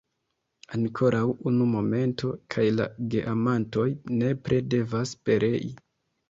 Ankoraŭ unu momento, kaj la geamantoj nepre devas perei!